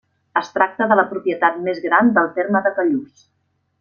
Es tracta de la propietat més gran del terme de Callús.